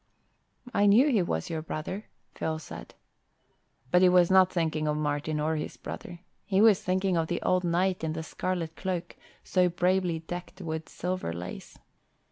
"I knew he was your brother," Phil said. But he was not thinking of Martin or his brother. He was thinking of the old knight in the scarlet cloak so bravely decked with silver lace.